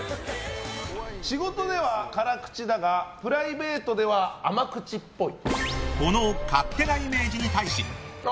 仕事では辛口だがプライベートでは甘口っぽい。